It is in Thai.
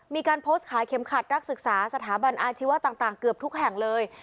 มีการโพสต์ขายเข็มขัดนักศึกษาสถาบันอาชีวะต่างเกือบทุกแห่งเลย